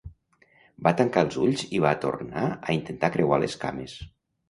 Va tancar els ulls i va tornar a intentar creuar les cames.